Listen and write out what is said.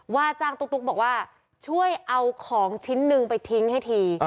ว่าจ้างตุ๊กบอกว่าช่วยเอาของชิ้นหนึ่งไปทิ้งให้ที